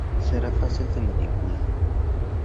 Será fácil de manipular".